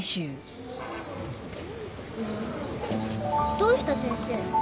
どうした先生。